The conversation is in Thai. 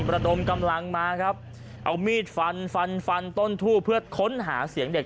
ระดมกำลังมาครับเอามีดฟันฟันฟันฟันต้นทู่เพื่อค้นหาเสียงเด็ก